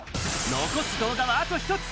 残す動画はあと１つ。